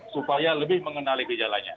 supaya lebih mengenali gejalanya